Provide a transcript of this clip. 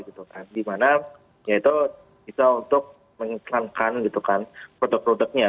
gitu kan di mana ya itu bisa untuk mengiklankan gitu kan produk produknya